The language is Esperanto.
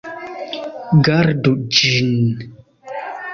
Gardu ĝin.